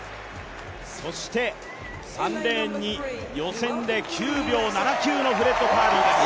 そして、３レーンに予選で９秒７９のフレッド・カーリーです。